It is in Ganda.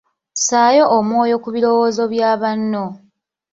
Ssaayo omwoyo ku birowoozo bya banno .